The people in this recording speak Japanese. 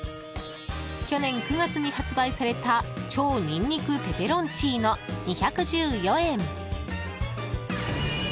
去年９月に発売された超にんにくペペロンチーノ２１４円。